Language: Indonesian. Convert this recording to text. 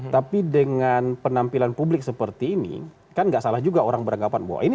tapi dengan penampilan publik seperti ini kan nggak salah juga orang beranggapan bahwa ini